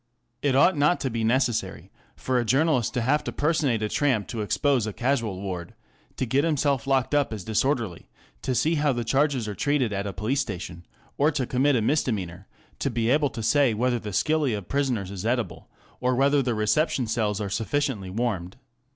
It ought not to be necessary for a journalist to have to personate a tramp to expose a casual ward, to get himself locked up as disorderly to see how the charges are treated at a police station, or to commit a misdemeanour to be able to say whether the " skilly " of prisoners is edible, or whether the reception, cells are sufficiently warmed.